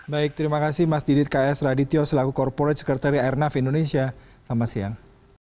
baik terima kasih mas didit ks radityo selaku corporate secretary airnav indonesia selamat siang